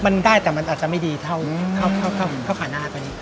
มันได้แต่มันอาจจะไม่ดีเท่าขาหน้าตัวนี้